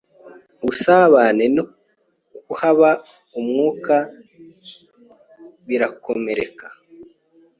Ubusabane no kwubaha Umwuka birakomereka.